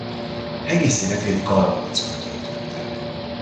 Egész életét Galgócon töltötte.